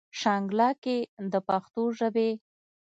شانګله کښې د پښتو ژبې